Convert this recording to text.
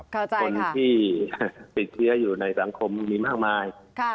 คนที่ติดเชื้ออยู่ในสังคมมีมากมาย